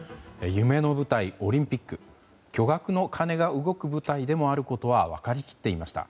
夢の舞台、オリンピック巨額の金が動く舞台であることは分かり切っていました。